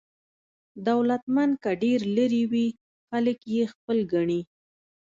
دولتمند که ډېر لرې وي، خلک یې خپل ګڼي.